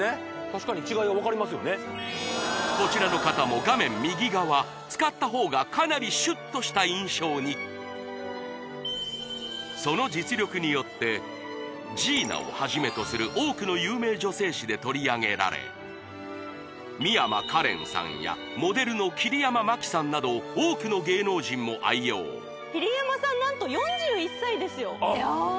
確かに違いが分かりますよねこちらの方も画面右側使った方がかなりシュッとした印象にその実力によって「Ｇｉｎａ」をはじめとする多くの有名女性誌で取り上げられ美山加恋さんやモデルの桐山マキさんなど多くの芸能人も愛用桐山さん何と４１歳ですよあっ